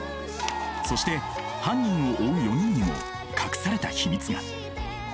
そして犯人を追う４人にも隠された秘密が。